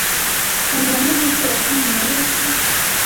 Hari bamwe bibwira ko nyuma y’urupfu